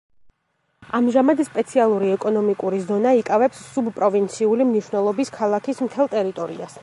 ამჟამად სპეციალური ეკონომიკური ზონა იკავებს სუბპროვინციული მნიშვნელობის ქალაქის მთელ ტერიტორიას.